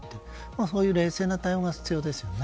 そういう冷静な対応が必要ですよね。